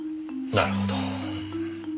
なるほど。